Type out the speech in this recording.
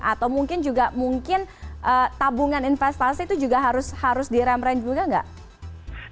atau mungkin tabungan investasi itu juga harus direm rem juga nggak